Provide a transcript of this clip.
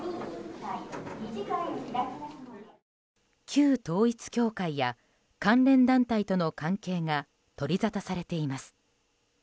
旧統一教会や関連団体との関係が取りざたされています。